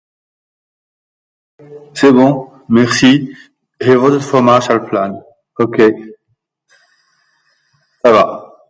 He voted for the Marshall Plan.